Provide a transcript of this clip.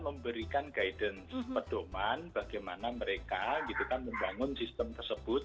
memberikan guidance pedoman bagaimana mereka gitu kan membangun sistem tersebut